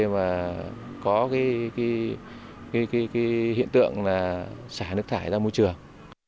và có hiện tượng là xả nước thải ra môi trường